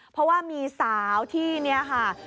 เพราะว่ามีสาวที่นี่ค่ะ